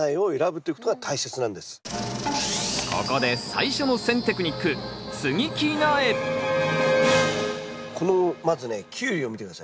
ここで最初の選テクニックこのまずねキュウリを見て下さい。